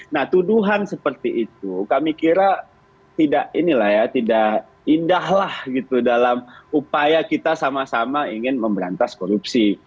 nah tuduhan seperti itu kami kira tidak inilah ya tidak indah lah gitu dalam upaya kita sama sama ingin memberantas korupsi